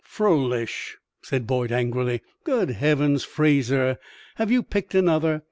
"'Froelich'!" said Boyd, angrily; "good heavens, Fraser, have you picked another?